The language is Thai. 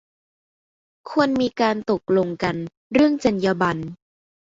ควรมีการตกลงกันเรื่องจรรยาบรรณ